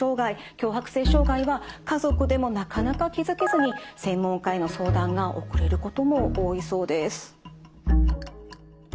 強迫性障害は家族でもなかなか気付けずに専門家への相談が遅れることも多いそうです。